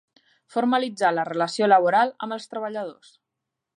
Formalitzar la relació laboral amb els treballadors.